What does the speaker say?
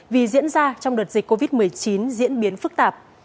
vì diễn ra trong đợt dịch covid một mươi chín diễn biến phức tạp